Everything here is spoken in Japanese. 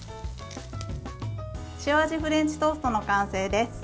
塩味フレンチトーストの完成です。